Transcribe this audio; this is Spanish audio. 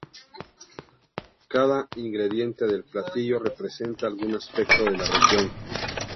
Cada ingrediente del platillo representa algún aspecto de la región.